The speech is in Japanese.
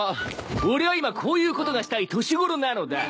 俺は今こういうことがしたい年頃なのだ！